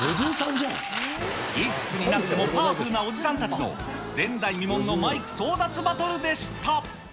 いくつになってもパワフルなおじさんたちの、前代未聞のマイク争奪バトルでした。